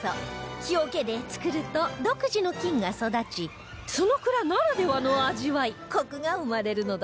木桶で作ると独自の菌が育ちその蔵ならではの味わいコクが生まれるのだそう